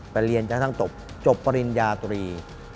ไปเรียนจากทั้งจบปริญญาตรี